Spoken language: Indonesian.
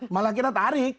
malah kita tarik